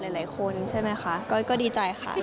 หลายคนใช่ไหมคะก็ดีใจค่ะ